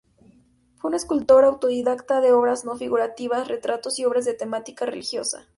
Fue un escultor autodidacta de obras no figurativas, retratos y obras de temática religiosa.